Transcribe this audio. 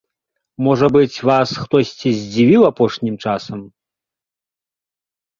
Можа быць, вас хтосьці здзівіў апошнім часам?